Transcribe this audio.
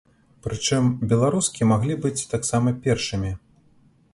Прычым, беларускі маглі быць таксама першымі.